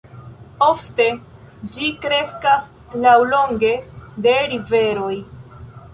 Ofte ĝi kreskas laŭlonge de riveroj.